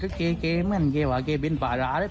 ตอนนี้ก็เพิ่งที่จะสูญเสียคุณย่าไปไม่นาน